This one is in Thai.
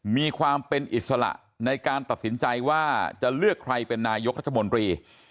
มีความเป็นอิสระในการตัดสินใจว่าจะเลือกใครเป็นนายกรัฐมนตรี